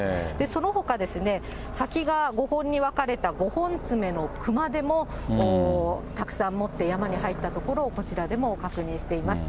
そのほか、先が５本に分かれた５本爪の熊手もたくさん持って山に入ったところを、こちらでも確認しています。